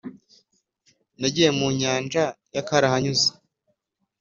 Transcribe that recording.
nagiye mu nyanja ya karahanyuze